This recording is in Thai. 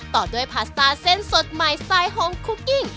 ต่อด้วยพาสต้าเส้นสดใหม่สไตล์ฮองคุกกิ้ง